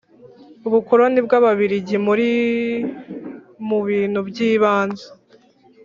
Ubukoloni bw ababirigi buri mu bintu by ibanze